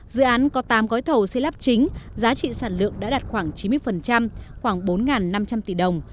dự án có tám gói thầu xây lắp chính giá trị sản lượng đã đạt khoảng chín mươi khoảng bốn năm trăm linh tỷ đồng